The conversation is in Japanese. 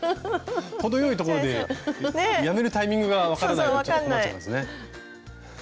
程よいところでやめるタイミングが分からないとちょっと困っちゃいますね。